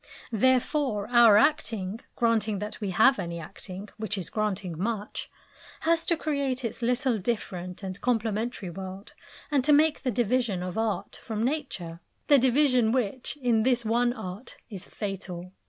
Therefore our acting (granting that we have any acting, which is granting much) has to create its little different and complementary world, and to make the division of "art" from Nature the division which, in this one art, is fatal.